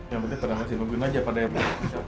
yang penting pada ngasih berguna aja pada yang mau